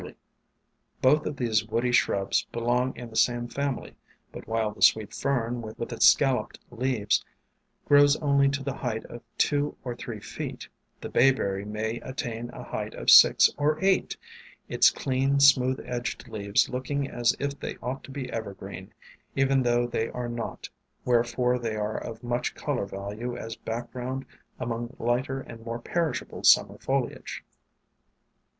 WAYFARERS 289 Both of these woody shrubs belong to the same family, but while the Sweet Fern, with its scal loped leaves, grows only to the height of two or three feet, the Bayberry may attain a height of six or eight, its clean, smooth edged leaves looking as if they ought to be evergreen, even though they are not, wherefore they are of much color value as background among lighter and more perishable Summer foliage.